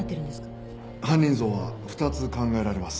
犯人像は２つ考えられます。